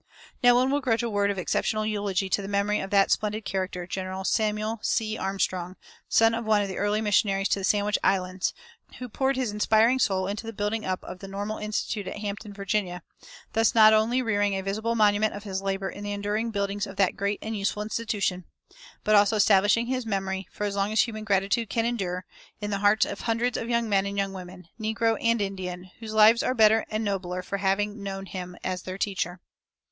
None will grudge a word of exceptional eulogy to the memory of that splendid character, General Samuel C. Armstrong, son of one of the early missionaries to the Sandwich Islands, who poured his inspiring soul into the building up of the "Normal Institute" at Hampton, Va., thus not only rearing a visible monument of his labor in the enduring buildings of that great and useful institution, but also establishing his memory, for as long as human gratitude can endure, in the hearts of hundreds of young men and young women, negro and Indian, whose lives are the better and nobler for their having known him as their teacher.